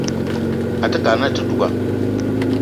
Àte kad na àte duga